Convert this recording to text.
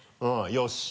よし。